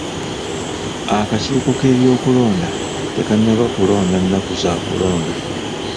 Akakiiko k'ebyokulonda tekannaba kulonda nnaku za kulonda.